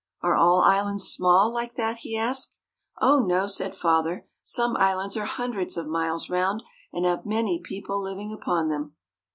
"Are all islands small, like that?" he asked. "Oh, no!" said father. "Some islands are hundreds of miles round, and have many people living upon them."